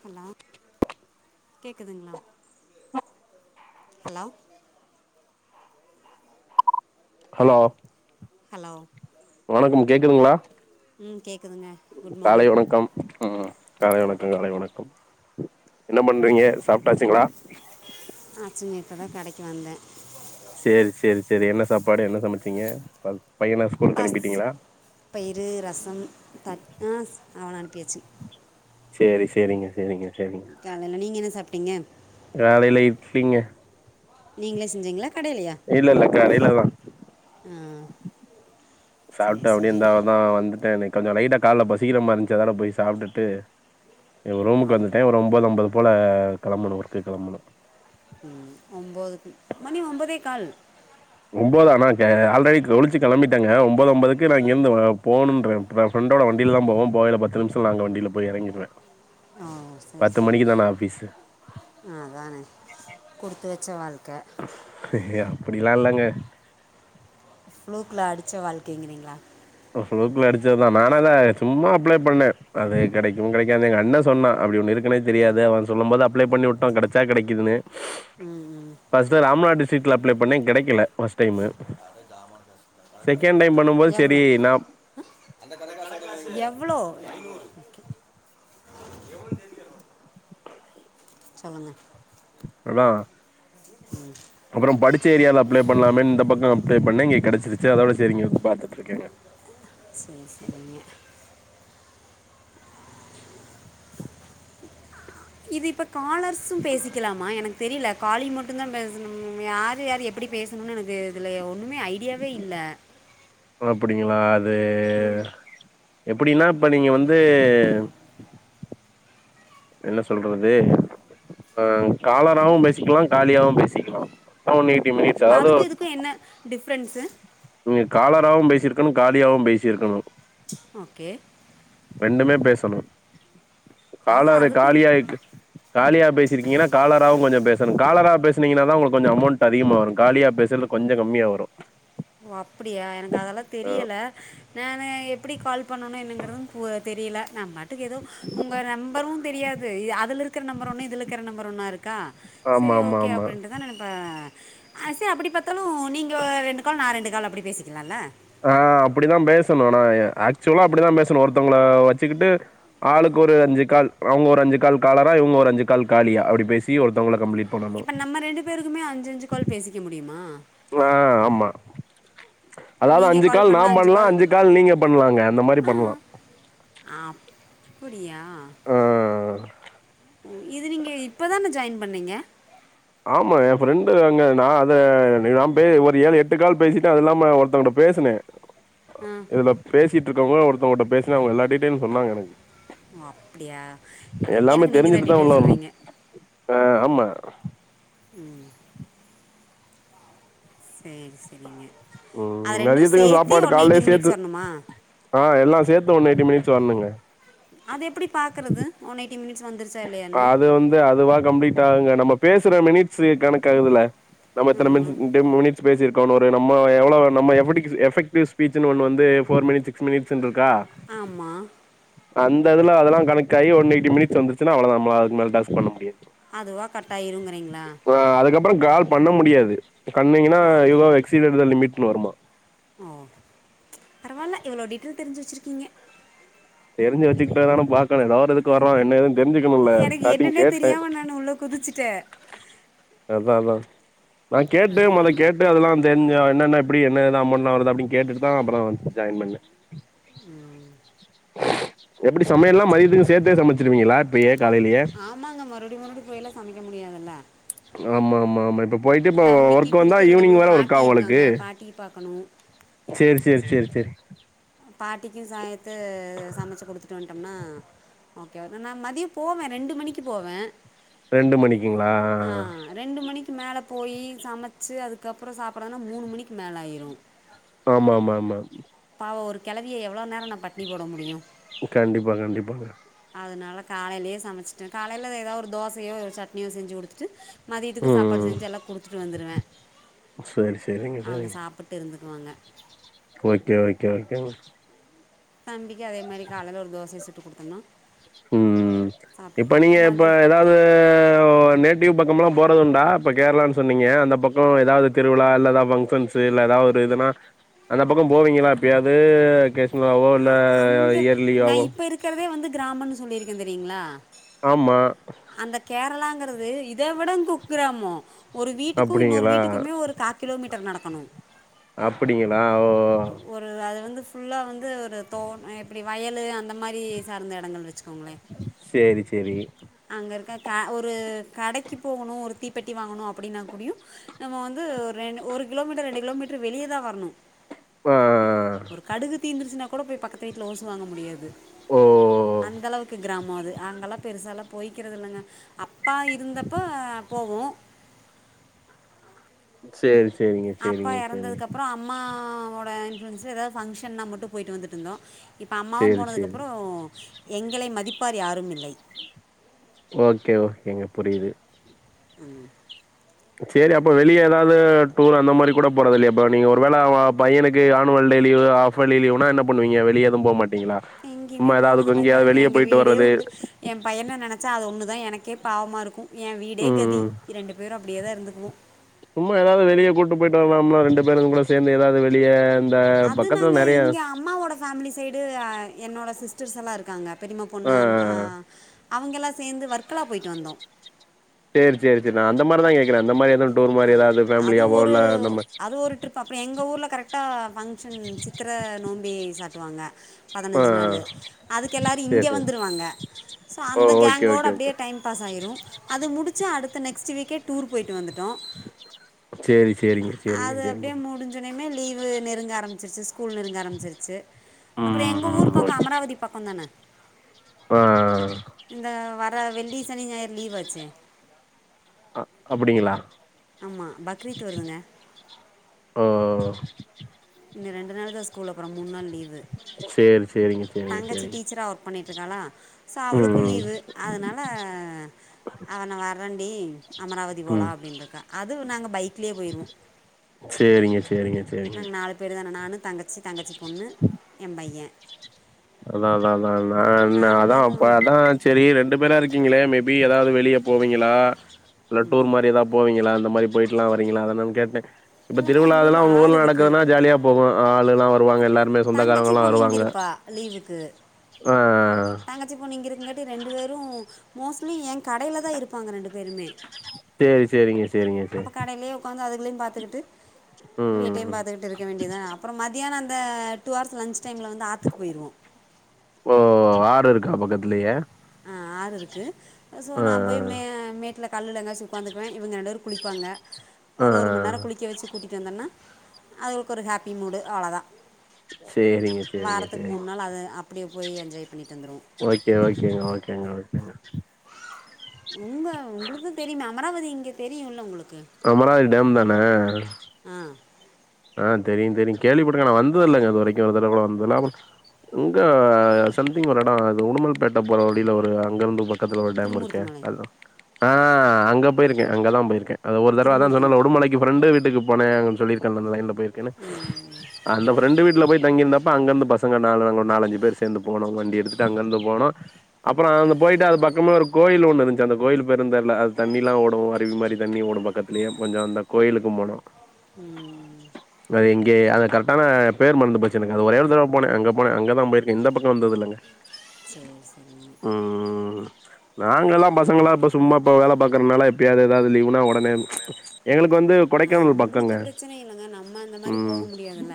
Hello கேக்குதுங்ளா hello hello hello வணக்கம் கேக்குதுங்களா ம் கேட்குதுங்க குட் காலை மார்னிங் வணக்கம் என்ன பண்றீங்க சாப்ட்டாச்சுங்களா ஆ சொல்லுங்க இப்பதா கடைக்கு வந்த சேரி சேரி சேரி என்ன சாப்பாடு என்ன சமச்சிங்க பையனா பாசிப் பயிறு ரசம் தட் ஆ அவன அனுப்பியாச்சு சேரி சேரிங்க சேரிங்க சேரிங்க காலைல நீங்க என்ன சாப்ட்டீங்க காலையிலு இட்லிங்க நீங்ளே செஞ்சீங்களா கடையிலையா இல்ல இல்ல கடையிலதா அ சாப்ட்டு அப்டியே இந்தாவதா வந்துட்டே இன்னைக்கு கொஞ்சோ லைட்டா கால்ல பசிக்குற மாறி இருந்துச்சு அதனால போய் சாப்ட்டுட்டு எங்க ரூமுக்கு ஆஃப் வந்துட்டே ஒரு ஒம்போது அம்பது போல கெளம்பணு ஒர்க்குக்கு கெளம்பணு உம் ஒம்போதுக்கு மணி ஒம்பதே கால் ஒம்போது ஆனா க ஆல்ரெடி குளிச்சி கெளம்பிட்டங்க ஒம்போது அம்பதுக்கு நா இங்க இருந்து போனுன்றே நா ஃப்ரண்டோட வண்டிலதா போவே போகைல பத்து நிமிஷத்தில நா அங்க வண்டில போய் இறங்கிடுவ சர் சரி ஆஃபீஸு. அ அத்தானே குடுத்து வச்ச வாழ்க்க ஏ அப்டில்லா இல்லங்க ஃப்ளூக்குல அடிச்ச வாழ்க்கங்றீங்ளா ஃப்ளூக்குல அடிச்சதுதா நானா தா சும்மா அப்ளே பண்ணே அது கிடைக்கு கிடைக்காது எங்க அண்ணே சொன்னா அப்டி ஒன்னு இருக்குன்னே தெரியாது அவன் சொல்லும் போது அப்ளே பண்ணி வுட்டோ கிடச்சா கிடைக்குதுன்னு ம் ம் ஃபர்ஸ்ட்ல ராம்நாட் டிஷ்டிக்ல அப்ளே பண்ணே கிடைக்கல ஃபர்ஸ்ட் டைமு செகண்ட் டைம் பண்ணும்போது சேரி நா அ அந்த கடைக்கார காசு எவ்ளோ ஐநூறு ஓக்கே எவ்ளோன்னு தெரிஞ்சிரும் சொல்லுங்க அண்ணா உம் அப்றோ படிச்ச ஏரியாலா அப்ளே பண்ணலாமேன்னு இந்த பக்கம் அப்ளே பண்ணே இங்க கிடச்சிருச்சு அதோட சரி இங்க வந்து பாத்துட்டு இருக்கேங்க சேர் சேரிங்க இது இப்ப காலர்ஸ்சும் பேசிக்கலாமா எனக்கு தெரில காலி மட்டுந்தா பேசணும் யாரு யாரு எப் எப்பிடி பேசுணும்னு எனக்கு இதில ஒன்னுமே ஐடியாவே இல்ல ஓ அப்படிங்களா அது எப்படின்னா இப்ப நீங்க வந்து என்ன சொல்றது அ காலராவு பேசிக்கலா காலியாவு பேசிக்கலா எப்ப ஒன் எய்ட்டி மினிட்ஸ் ஆதோ து என்ன டிஃப்ரென்ஸ்சு நீங்க காலராவு பேசியிருக்கணு காலியாவு பேசியிருக்கணு ஓக்கே ரெண்டுமே பேசணு அதுதான் காலரு அதுக்கும் காலி ஆயிட்டு காலியா பேசியிருக்கீங்கன்னா காலராவு கொஞ்சோ பேசணு காலரா பேசுனீங்கனா தா உங்களுக்கு கொஞ்சோ அமௌண்ட் அதிகமா வரும் காலியா பேசறது கொஞ்சோ கம்மியா வரும் ஓ அப்படியா எனக்கு அதெல்லா தெரியல நானு எப்படி கால் பண்ணனு என்னங்கறதும் பு தெரியல நா பாட்டுக்கு ஏதோ உங்க நம்பரும் தெரியாது அதுல இருக்கற நம்பர் ஒண்ணு இதுல இருக்கற நம்பர் ஒண்ணா இருக்கு கா ஆமா சரி ஆமா ஓகே ஆமா அப்டின்டு என்னா நெனப்பாக ஆ சே அப்டி பாத்தாலு நீங்க ரெண்டு கால் நான் ரெண்டு கால் அப்பிடி பேசிக்கலால ஆ அப்டிதா பேசணு நா ஏ ஆக்சுவலா அப்டிதா பேசணு ஒருத்தவுங்கள வச்சுக்கிட்டு ஆளுக்கு ஒரு அஞ்சு கால் அவுங்க ஒரு அஞ்சு கால் காலரா இவுங்க ஒரு அஞ்சு கால் காலியா அப்டி பேசி ஒருத்தவுங்கள கம்ப்ளீட் பண்ணணும். இப்ப நம்ம ரெண்டு பேருக்குமே அஞ்சு அஞ்சு கால் பேசிக்க முடியுமா ஆ ஆமா அதாவது அஞ்சு கால் நா பண்லா அஞ்சு கால் நீங்க பண்லாங்க அந்த மாரி பண்லா அப்புடியா ஆ. இது நீங்க இப்ப தானே ஜாயின்ட் பண்ணிங்க ஆமா என் ஃப்ரெண்டு அங்க நா அத ஆமா ஏ ஃப்ரெண்டு அங்க நா அது நா பே ஒரு ஏழு எட்டு கால் பேசிட்டு அது இல்லாம ஒருத்தவ்ங்கிட்ட பேசுனே அ இதுல பேசிட்டு இருக்கவுங்க ஒருத்தவ்ங்கிட்ட பேசுனே அவுங்க எல்லா டீட்டைலு சொன்னாங்க எனக்கு ஓ அப்டியா எல்லாமே எனக்கு நீங்கதா தெரிஞ்சுட்டு தான் டீட்டைல் உள்ள வரணும். சொல்றீங்க ஆ ஆமா ம் சேரி செரிங்க ம் அது ரெண்டு மதியத்துக்கும் சேத்தே சாப்பாடு ஒன் எயிட்டி காலையிலேயே சேர்த்து மினிட்ஸ் வரணுமா ஆ எல்லா சேத்து ஒன் எயிட்டி மினிட்ஸ் வரனுங்க அது எப்டி பாக்குறது ஒன் எயிட் டி மினிட்ஸ் வந்துர்ச் ஆ அது வந்து அதுவா கம்ப்ளீட் அது நம்ம பேசுற மினிட்ஸு கணக்கு அதுல்ல நம்ம எத்தன ஆமாம் மினிஸ் மினிட்ஸ் பேசிருக்கோ ஒரு நம்ம எவ்ளோ நம்ம எபடிக்ஸ் எஃபக்டிவ்ஸ் ஸ்பீச் ன்னு ஒன்னு வந்து ஃபோர் மினிட்ஸ் சிக்ஸ் மினிட்ஸ்னு இருக்கா ஆமா அந்த இதுல அதெல்லா கணக்காயி ஒன் எயிட்டி மினிட்ஸ் வந்துருச்சுன்னா அவளே தா நம்ம அதுக்கு மேல டாஸ்க் பண்ண முடியாது அதுவா கட்டாயிருங்குறீங்களா இப்ப அதுக்கப்புறோ கால் பண்ண முடியாது கண்ணீங்கன்னா you okay are exceeded the லிமிட்னு வருமா ஓ பரவால்ல இவ்ளோ டீட்டெல் தெரிஞ்சு வச்சிருக்கீங்க தெரிஞ்சு வச்சுகிட்டாதான பாக்கனு எதாவது ஒரு இதுக்கு வரோ என்னதுன்னு தெரிஞ்சுக்கணும்ல எனக்கு ஷ்டார்டிங் என்னன்னே [unintelligible] தெரியாமல் நான் உள்ளே குதிச்சிட்டேன் அதா அதா நா கேட்டே அதான் மொதல கேட் அப்டியே அதெல்லா தெரிஞ்சா என்னென்ன எப்டி என்னத அமொண்ட்லா வருதா அப்டினு கேட்டுட்டுதா அப்புற ஜாயின் பண்ணே எப்டி சமையல்லா மதியத்துக்கு சேத்தே சமச்சிருவீங்களா இப்பயே காலையிலயே ஆமாங்க மறுபுடி மறுபுடியு போயில்லா சமைக்க முடியாதுல்ல ஆமா ஆமா ஆமா இப்ப போயிட்டு இப்ப தம்பிக்கு ஒர்க் வந்தா கொடுத்து ஈவினிங் விடணும் வேற ஒர்க்கா பாட்டி ஒங்களுக்கு இருக்காங்க பாட்டியை பார்க்கணும் சேரி சேரி சேரி சேரி பாட்டிக்கு சாயத்து சமச்சு குடுத்துட்டு வந் துட்டொம்னா ஓகே நா மதிய போவே ரெண்டு மணிக்கு போவே ரெண்டு மணிக்குங்களா ஆ அ ரெண்டு மணிக்கு மேலே போயி சமச்சு அதுக்கப்புற சாப்புடன்னா மூணு மணிக்கு மேலே ஆயிடு ஆமா ஆமா ஆமா பாவொ ஒரு கெளவிய எவ்வளோ நேரோ நா பட்டினி போட முடியு கண்டிப்பா கண்டிப்பா அதனால காலையிலயே சமச்சிட்டே காலையில எதாவது ஒரு தோசையோ சட்னியோ செஞ்சு குடுத்துட்டு மதியத்துக்கு சாப்பாடு ம் செஞ்சு எல்லா குடுத்துட்டு வந்துடுவே ம் சேரி சேரிங்க அவுங்க சேரிங்க சாப் ப்ப தெரிஞ்சுக்குவாங்க ஓகே ஓகே ஓகேங்க தம்பிக்கு அதே மாரி காலைல ஒரு தோசைய சுட்டு குடுத்தன்னா ம் இப்ப நீங்க இப்ப மதி எதாவ்து போ நேட்டிவ் பக்கம்லா போறதுண்டா இப்ப கேரளான் சொன்னீங்க அந்த பக்க எதாவ்து திருவிழா இல்ல எதாவ்து ஃபங்க்ஷன்ஸ் இல்ல எதா ஒரு இதுனா அந்த பக்க போவீங்களா எப்பயாவ்து டே ஃபுல்லாவோ இல்ல இயர்லியாவோ க்கிறதே வந்து கிராமன்னு சொல்லிருக்கே தெரியுங்ளா ஆமா அந்த கேரளாங்கிறது இத விட குக்கிராம ஒரு வீட்டுக்கு இன்னொரு அப்டிங்களா வீட்டுக்குமே ஒரு கா கிலோமீட்டர் நடக்கணு அப்பிடிங்களா ஓ ஓ அ அது வந்து ஃபுல்லா வந்து ஒரு தோ அ இப்டி வயலு அந்த மாரி சார்ந்த எடங்கள் வெச்சுக்கோங்களே சேரி சேரி அங்க இருக்க க ஒரு கடைக்கு போகணு ஒரு தீப்பெட்டி வாங்கணு அப்டின்னா கூடயு நம்ம வந்து ஒரு ரெண் ஒரு கிலோமீட்டர் ரெண்டு கிலோமீட்டரு வெளியதா வரணு ஆ ஒரு கடுகு தீர்ந்துருச்சுனா கூட போய் பக்கத்து வீட்ல ஓசி வாங்க முடியாது ஓ அந்த அளவுக்கு கிராமோ அது அங்கலா பெருசாலா போய்க்கிறதில்லங்க அப்பா இருந்தப்ப போவோ சேரி சேரிங்க அப்பா சேரிங்க சேரிங்க எறந்ததுக்கப்பற அம்மாவோட இன்ஃப்ளூயன்ஸு எதாவ்து ஃபங்க்ஷன்னா மட்டு போயிட்டு வந்துட்ருந்தோ இப்போ அம்மாவு சேரி சேரி போனதுக்கப்பறோ எங்களை மதிப் யார் யாரும் இல்லை ஓகே ஓகேங்க புரியுது ம் சேரி அப்ப வெளிய எதாவ்து டூர் அந்த மாரி கூட போறதில்லையா இப்ப நீங்க ஒரு வேள ஓ பையனுக்கு ஆனுவல் டே லீவு் ஆஃப் ஃபலி லீவுனா என்ன பண்ணுவீங்க வெளிய எதும் போமாட்டீங்களா எங்கேயுமே போறதில்லங்க எங்க வீடே வர்றது உண்டு எ பையன நெனச்சா அது ஒன்னு தா எனக்கே பாவமா இருக்கு எ வீடே கதி ம் இரண்டு பேரு அப்டியேதா இருத்துக்குவோ சும்மா எதாவ்து வெளிய கூட்டு போயிட்டு வர்லாம்ல ரெண்டு பேருக்கு கூட சேந்து எதாவ்து வெளிய இந்த அது பக்கத்துல நாங்கள் நெறைய இங்கே அம்மாவோட ஃபேம்லி சைடு அ என்னோட சிஸ்டர்ஸெல்லா இருக்காங்க பெரிம்மா பொண்ணு அண் ஆ அவங்கெல்லா சேந்து வர்க்கெலா போயி்ட்டு வந்தோ சேரி சேரி சேரி நா அந்த மாரிதா கேக்குறே அந்த மாரி எது டூர் ஆ மாரி எதாவ்து ஃபேம்லியாவோ இல்ல நம்ம இப்ப எங்க ஊர்ல கரெக்டா ஃபங்க்ஷன் சித்திர நோம்பி சாட்டுவாங்க ஆ பதினஞ்சு நாளு அதுக்கு எல்லாரு இங்க சேரி சேரி வந்துருவாங்க சோ ஓ அந்த ஓகே கேங்கோட ஓகே அப்டியே ஓகே டைம் பாஸ் ஆயிரு அது முடிச்சு அடுத்த நெக்ஸ்ட்டு வீக்கே டூர் போயிட்டு வந்துட்டோ சேரி சேரிங்க சேரிங்க சேரிங்க [inaudible] முடிஞ்சோனைமே லீவு நெருங்க ஆரம்மிச்சுருச்சு ஸ் ஸ்கூல் நெருங்க ஆரம்மிச்சிருச்சு அப்பற எங்க ஊர் ம் பக்க ஓகே அமராவதி பக்கோ தான ஆ ஆ இந்த வர வெள்ளி சனி ஞாயிறு லீவாச்சே அ அப்டிங்களா ஆமாம் பக்ரீத் வருதுங்க ஓ இந்த ரெண்டு நாள் தா ஸ்கூலு அப்றோ மூண் நாள் லீவ் வு சேரி சேரிங்க சேரிங்க தங்கச்சி சேரிங்க டீச்சரா ஒர்க் பண்ட்டு இருக்காளா சொ ம் அவுளுக்கு ம் லீவு அதனால அவ நா வர்றன்டி அமராவதி போலா ம் அப்டின்ருக்கா அது நாங்க பைக்லே போய்ருவோ சேரிங்க சேரிங்க சேரிங்க நாங் நாலு பேரு தான நானு தங்கச்சி தங்கச்சி பொண்ணு ஏம் பைய அதா அதா அதா அதா நா அதா பதா சரி ரெண்டு பேரா இருக்கீங்ளே மேபி ஏதாது வெளியப் போவீங்களா இல்ல டூர் மாரி எதா போவீங்களா அந்த மாரி போயிட்லா வரீங்ளா அதனா கேட்டே இப்ப இல்லைங்க திருவிழா எங்கள் ஊரில் இதுலா ஒங்க ஆறு ஊர்ல இருக்குது நடக்குதுன்னா ஜாலியா போகு ஆளுலா வருவாங்க எல்லாருமே தங்கச்சி சொந்தக்காரங்கலா பொண்ணு இங்கே வருவாங்க இருப்பா லீவுக்கு ஆ ஆ தங்கச்சிப்பொண்ணு இங்க இருக்கங்காட்டு ரெண்டு வேரு மோஸ்ட்லி ஏ கடைலதா இருப்பாங்க ரெண்டு பேருமே சேரி சேரிங்க சேரிங்க அப்போ சேரி கடைலே ஒக்காந்து அதுகளயு பாத்துக்கிட்டு ம் வீட்டையு ம். பாத்துக்கிட்டு இரு க்க வேண்டிதா அப்றோ மத்தியான அந்த டூ ஆர்ஸ் லன்ஞ்ச் டைம்ல வந்து ஆத்துக்கு போயிர்வோ ஓ ஒ ஆறு இருக்கா பக்கத்லயே ஆ ஆறுருக்கு சோ நா போயி மே மே ட்ல கல்லுல எங்காச்சு உக்காந்துக்குவே இவுங்க ரெண்டேரு குளிப்பாங்க ஆ ஒரு ஒரு மண் நேரோ ஆ. குளிக்க வச்சு கூட்டிட்டு வந்தன்னா அதுகளுக்கொரு ஹேப்பி மூடு அவளதா சேரிங்க சேரிங்க வாரத்துக்கு சேரிங்க மூன் நாளு அது அப்படியே போயி என்ஜாய் பண்ணிட்டு வந்துர்வோ ஓக்கே ஓக்கேங்க ஓக்கேங்க ஓக்கேங்க உங்க உங்களுக்கு தெரிமே அமராவதி இங்க தெரியூல்ல உங்ளுக்கு அமராவதி டேம் தான ஆ தெரியு தெரியு கேள்விப்பட்ருக்கே நா வந்ததில்லங்க இது வரைக்கு ஒரு தட கூட வந்ததில அப் இங்க சம்திங் ஒரு எடொ இது உடுமல் பேட்ட போற வழில ஒரு அங்கருந்து போ பக்கத்துல ஒரு டேமுருக்கே திருமூர்த்தி மலை அதா ஆ அங்க போயிர்க்கே அங்கதா போயிர்க்கே அது ஒரு தடவ அதா திருமூர்த்தி சொன்னல மலை உடுமலைக்கு ஃப்ரெண்டு வீட்டுக்கு போனே அங்க சொல்லிருக்கன்ல அந்த லைன்ல போயிருக்கேனு ம் அந்த ஃப்ரெண்டு வீட்ல போயி தங்கிருந்தப்ப அங்கந்து பசங்க நால அங்க நாலஞ்சி பேரு சேந்து போனோ வண்டி எடுத்துட்டு அங்கந்து போனோ அப்பறோ அந்த போயிட்டு அது பக்கமா ஒரு கோயில் ஒண்ணு இருந்ச்சு அந்த கோயிலு பேரு தெர் ல அது தண்ணில்லா ஓடு அருவி மாரி தண்ணி ஓடு பக்கத்துலே கொஞ்சொ அந்த கோயிலுக்கு போனோ ம் ம் [inaudible] வேற எங்கே அது கரெக்டான பேரு மறந்து போச் எனக்கு அது ஒரே ஒரு தடவ போனே அங்க போனே அங்கதா போயிருக்கே இந்த பக்க வந்ததுல்லங்க சேர் செரி நாங்கலா பசங்கலா இப்ப சும்மாப்ப வேல பாக்றதுனால எப்பாயது ஏதாது லீவுனா ஒ டனே எங்களுக்கு வந்து கொடைக்கானல் பக்கங்க பிரச்சன என்னங்க நம்ம இந்த மாரி போக ம் முடியாதுல்ல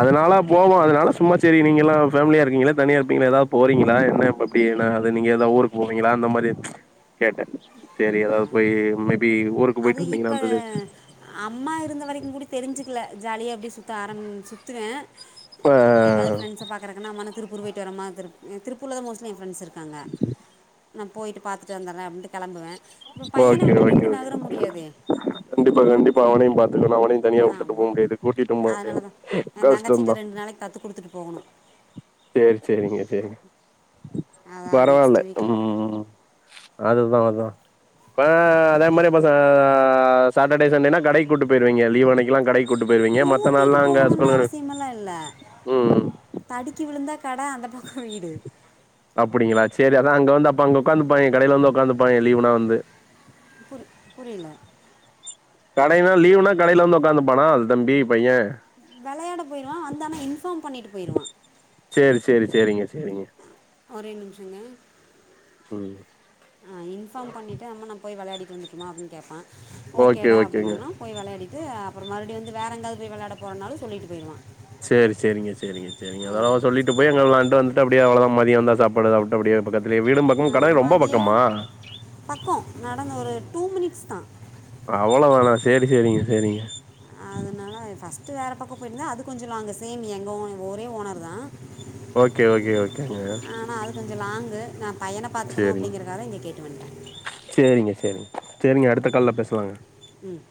அதனால போவோ அதனால சும்மா செரி நீங்கலா ஃபேமிலியாருக்கீங்ளே தனியா இருப்பீங்ளே ஏதாது போறீங்ளா என்ன எ ப்டி எனாது நீங்க எதா ஊருக்கு போவீங்ளா அந்த மாரி கேட்டே செரி எதாவது போயி மேபி ஊருக்கு அது போயிட்டு வந்தீங்கனா இப்போ அந்ததிது அம்மா இருந்த வரைக்குகூட தெரிஞ்சுக்கல ஜாலியா அப்டியே சுத்த ஆரம் சுத்துவே ப்ப எங்காது ஃப்ரண்ட்ஸ பாக்கறக்னா அம்மா நா திருப்பூரு போய்ட்டு வரம்மா திருப் திருப்பூர்லதா மோஸ்ட்லிஎ ஃப்ரெண்டஸ் இர்க்காங்க நா போயிட்டு பாத்துட்டு வந்தர்றே அப்டின்ட்டு கெளம்புவே இப்ப பையன ஓகே, விட்டுட்டு ஓகே, எப்டி ஓகே. நகர முடியாதே கண்டிப்பா கண்டிப்பா அவனயு பாத்துக்கணு அவனயு தனியா உட்டுட்டு போ ஆமாம் முடியாது கூட்டிட்டும் போ அதனால முடியாது தான் என் தங்கச்சிட்ட கஷ்டந்தா ரெண்டு நாளைக்கு கற்றுக் கொடுத்துட்டு போகணும் சேரி சேரிங்க செரிங்க அதான் பரவால நெக்ஸ்ட் வீக்கில் ம் அதுதா அதா ஆ இப்ப அதே மாரி இப்ப சா சாட்டர்டே சண்டேனா கடைக்கு கூட்டிட்டு போயிருவீங்க லீவ் அனைக்கில்லா கடை கூட்டு போயிருவீங்க மத்த கூட்டிகிட்டு நாள்ல்லா அங்க போகணும்னு ஹஸ்பண்ட் இரு அவசியமெல்லாம் இல்லை ம் ம் தடுக்கி விழுந்தா கட அந்த பக்கோ வீடு அப்புடிங்களா சேரி அதா அங்க வந்து அப்ப அங்க உட்காந்துப்பாய்ங்க கடைல வந்து உட்காந்துப்பா லீவுனா வந்து புரி புரில கடைலா லீவ்னா கடைல வந்து ஒக்காந்துப்பானா அது தம்பி பைய வெளயாட போய்ருவா வந்தானா இன்ஃபாம் பண்ணிட்டு போய்ருவா சேரி சேரி சேரிங்க சேரிங்க ஒரே நிம்ஷொங்க ம் ஆ இன்ஃபாம் பண்ணிட்டு அம்மா நா போய் வெளயாடிட்டு வந்துர்ட்டுமா அப்டின்னு கேப்பா ஓகே ஓகேடா ஓகேங்க அப்டின்னொம்னா போய் வெளயாடீட்டு அப்பொறொ வந்து வேறு எங்காவ்து போய் வெளாட போறனாலு சொல்லிட்டு போய்ருவா சேரி சேரிங்க சேரிங்க சேரிங்க அதோடாவ அதனால சொல்லிட்டு பிரச்சனை போய் அங்க இல்லை வெளான்ட்டு வந்து டு அப்டியே அவ்ளோதா மதிய வந்தா சாப்பாடு சாப்ட்டு அப்பிடியே பக்கத்துலே வீடும் பக்கோ கட ரொம்ப பக்கமா பக்கோ நடந்து ஒரு டூ மினிட்ஸ் தா அவ்ளோ தானா சேரி சேரிங்க சேரிங்க அதனால ஃபஸ்ட்டு வேறு பக்கொ போய்யிர்ந்த அது கொஞ்சொ லாங் சேம் எங்க ஓனர்தா ஒரே ஓனருதா ஓகே ஓகே ஓகேங்க கொஞ்ச லாங்கு நா பையன பாத்துக்கணு சேரிங்க அப்பிடிங்கறக்காக இங்க கேட்டு வன்ட்ட சேரிங்க சேரிங்க சேரிங்க அடுத்த கால்ல பேசலாங்க ம்